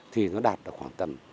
thì nó đạt được khoảng tầm